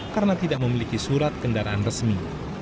karena tidak memiliki surat kendaraan resmi